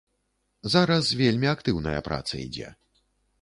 Зараз вельмі актыўная праца ідзе.